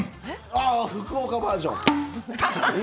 ああ、福岡バージョン。